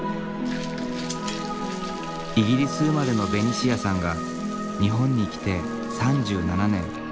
イギリス生まれのベニシアさんが日本に来て３７年。